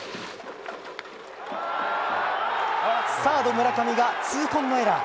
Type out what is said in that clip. サード村上が痛恨のエラー。